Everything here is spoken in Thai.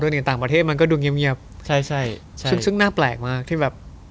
อย่างต่างประเทศมันก็ดูเงียบเงียบใช่ใช่ซึ่งซึ่งน่าแปลกมากที่แบบ